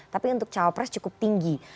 tapi untuk cawapres cukup tinggi